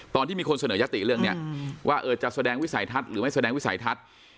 ตอนที่มีคนเสนอยติเรื่องนี้ว่าจะแสดงวิสัยทัศน์หรือไม่แสดงวิสัยทัศน์